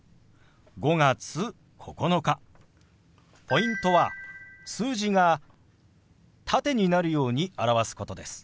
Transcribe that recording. ポイントは数字が縦になるように表すことです。